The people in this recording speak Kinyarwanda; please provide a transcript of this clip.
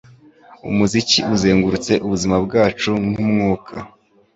Umuziki uzengurutse ubuzima bwacu nkumwuka.